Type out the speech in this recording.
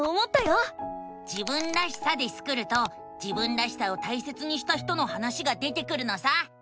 「自分らしさ」でスクると自分らしさを大切にした人の話が出てくるのさ！